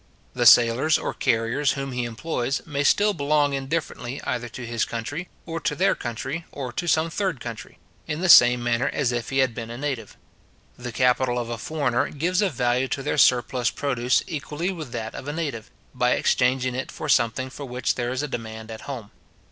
The sailors or carriers whom he employs, may still belong indifferently either to his country, or to their country, or to some third country, in the same manner as if he had been a native. The capital of a foreigner gives a value to their surplus produce equally with that of a native, by exchanging it for something for which there is a demand at home.